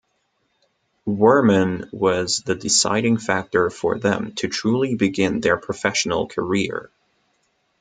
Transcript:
Wirman was the deciding factor for them to truly begin their professional career.